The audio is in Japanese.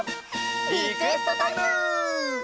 リクエストタイム！